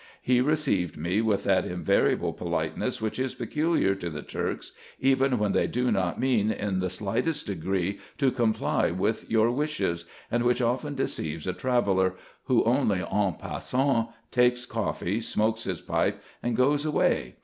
He received me with that invariable politeness which is peculiar to the Turks, even when they do not mean in the slightest degree IN EGYPT, NUBIA, &c. 41 to comply with your wishes, and which often deceives a traveller, who only en passant takes coffee, smokes his pipe, and goes away.